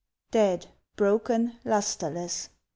Dead, broken, lustreless!